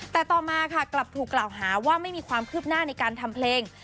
แต่ต่อมาค่ะกลับถูกกล่าวหาว่าไม่มีความคืบหน้าในการทำเพลง